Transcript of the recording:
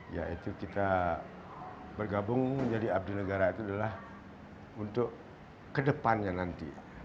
yaitu kita bergabung menjadi abdi negara itu adalah untuk kedepannya nanti